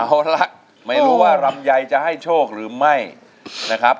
เอาละไม่รู้ว่าลำไยจะให้โชคหรือไม่นะครับ